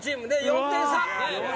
４点差。